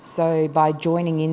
sẽ là một điều